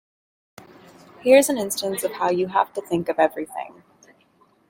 Here's an instance of how you have to think of everything.